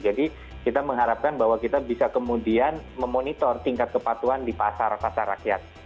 jadi kita mengharapkan bahwa kita bisa kemudian memonitor tingkat kepatuan di pasar pasar rakyat